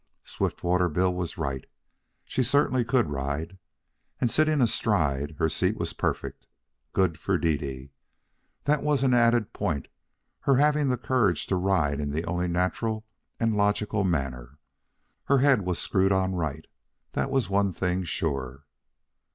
Swiftwater Bill was right. She certainly could ride. And, sitting astride, her seat was perfect. Good for Dede! That was an added point, her having the courage to ride in the only natural and logical manner. Her head as screwed on right, that was one thing sure.